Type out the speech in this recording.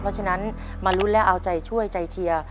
เพราะฉะนั้นมาลุ้นและเอาใจช่วยใจเชียร์